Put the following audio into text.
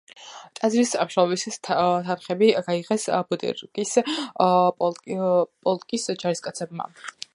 ტაძრის მშენებლობისათვის თანხები გაიღეს ბუტირკის პოლკის ჯარისკაცებმა.